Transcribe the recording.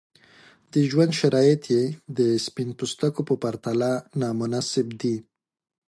د ژوند شرایط یې د سپین پوستکو په پرتله نامناسب دي.